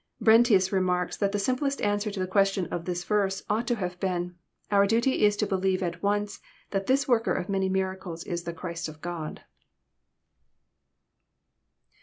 Brentius remarks that the simple answer to the question of this verse ought to have been, '* Our duty is to believe at once that this worker of many miracles Is the Christ of God."